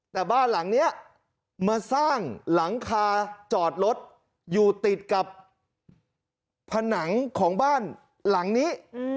แต่บ้านหลังนี้มาสร้างหลังคาจอดรถอยู่ติดกับผนังของบ้านหลังนี้